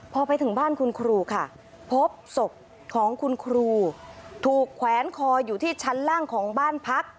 พอไปถึงบ้านคุณครูค่ะพบศพของคุณครูถูกแขวนคออยู่ที่ชั้นล่างของบ้านพัก